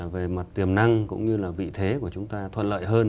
về mặt tiềm năng cũng như là vị thế của chúng ta thuận lợi hơn